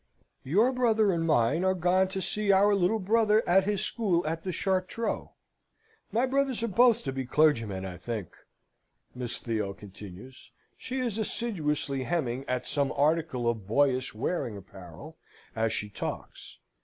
"Your brother and mine are gone to see our little brother at his school at the Chartreux. My brothers are both to be clergymen, I think," Miss Theo continues. She is assiduously hemming at some article of boyish wearing apparel as she talks.